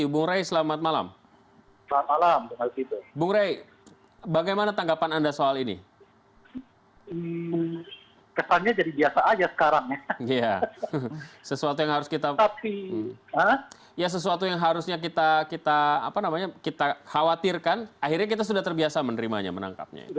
buktikan itu sanksi kita berikan ya